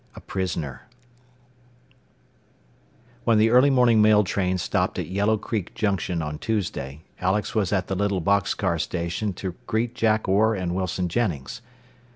XX A PRISONER When the early morning mail train stopped at Yellow Creek Junction on Tuesday, Alex was at the little box car station to greet Jack Orr and Wilson Jennings.